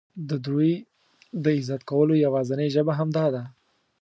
د دوی د عزت کولو یوازینۍ ژبه همدا ده.